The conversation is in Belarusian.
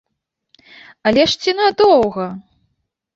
Але ж ці надоўга?